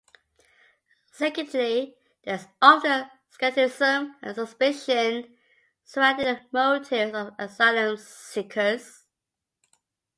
Secondly, there is often skepticism and suspicion surrounding the motives of asylum-seekers.